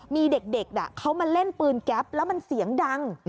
มีเด็กเขามาเล่นปืนแก๊ปแล้วมันเสียงดัง